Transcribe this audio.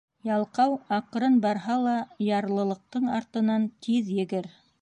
Ялҡау аҡрын барһа ла, ярлылыҡтың артынан тиҙ егер.